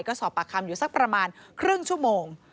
ก็สอบปากคำอยู่สักประมาณครึ่งชั่วโมง